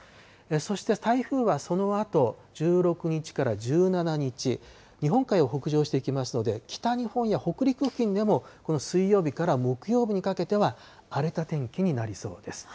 そして台風はそのあと１６日から１７日、日本海を北上していきますので、北日本や北陸付近でもこの水曜日から木曜日にかけては、荒れた天気になりそうです。